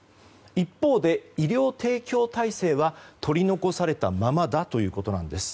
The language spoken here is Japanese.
一方で医療提供体制は取り残されたままだということです。